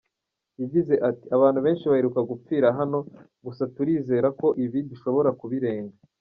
Yagize ati “Abantu benshi baheruka gupfira hano, gusa turizera ko ibi dushobora kubirenga.